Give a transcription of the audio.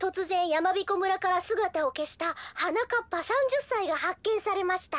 やまびこ村からすがたをけしたはなかっぱ３０さいがはっけんされました」。